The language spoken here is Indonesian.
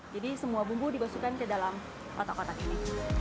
jadi semua bumbu dibasuhkan ke dalam otak otak ini